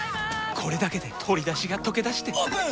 これだけで鶏だしがとけだしてオープン！